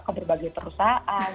ke berbagai perusahaan